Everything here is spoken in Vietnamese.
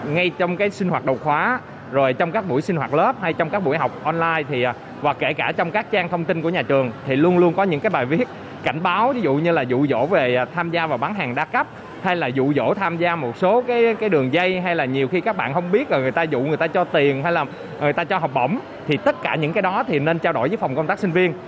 ngay trong cái sinh hoạt đầu khóa rồi trong các buổi sinh hoạt lớp hay trong các buổi học online thì và kể cả trong các trang thông tin của nhà trường thì luôn luôn có những cái bài viết cảnh báo ví dụ như là dụ dỗ về tham gia vào bán hàng đa cấp hay là dụ dỗ tham gia một số cái đường dây hay là nhiều khi các bạn không biết là người ta dụ người ta cho tiền hay là người ta cho học bổng thì tất cả những cái đó thì nên trao đổi với phòng công tác sinh viên